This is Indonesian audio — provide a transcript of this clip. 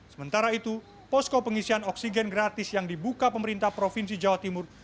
sementara itu posko pengisian oksigen gratis yang dibuka pemerintah provinsi jawa timur